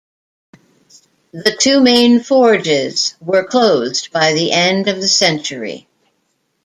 The two main forges were closed by the end of the century.